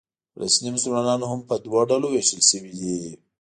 فلسطیني مسلمانان هم په دوه ډوله وېشل شوي دي.